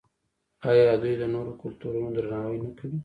آیا دوی د نورو کلتورونو درناوی نه کوي؟